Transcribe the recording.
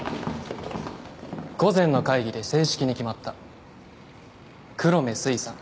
午前の会議で正式に決まった黒目すいさん